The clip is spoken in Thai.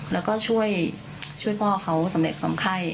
แล้วก็ช่วยพ่อเขาสำเร็จความไข้